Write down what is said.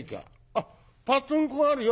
「あっパツンコあるよ